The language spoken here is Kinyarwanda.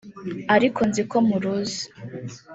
ariko nzi ko muruzi